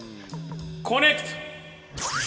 ・コネクト！